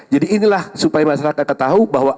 jadi inilah supaya masyarakat tahu bahwa